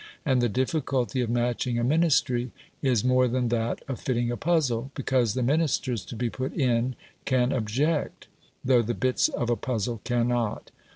And the difficulty of matching a Ministry is more than that of fitting a puzzle, because the Ministers to be put in can object, though the bits of a puzzle cannot.